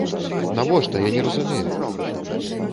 Навошта, я не разумею?